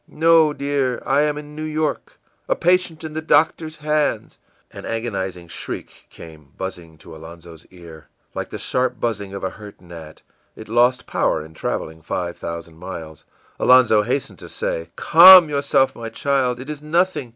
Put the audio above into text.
î ìNo, dear, I am in New York a patient in the doctor's hands.î An agonizing shriek came buzzing to Alonzo's ear, like the sharp buzzing of a hurt gnat; it lost power in traveling five thousand miles. Alonzo hastened to say: ìCalm yourself, my child. It is nothing.